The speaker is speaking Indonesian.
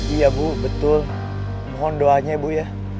iya bu betul mohon doanya ibu ya